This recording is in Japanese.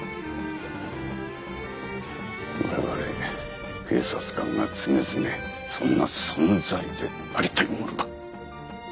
我々警察官が常々そんな存在でありたいものだ。